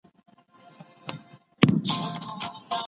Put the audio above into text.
پوه سړی به نوي نسل ته لارښوونه وکړي.